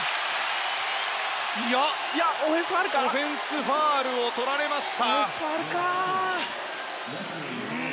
オフェンスファウルをとられました。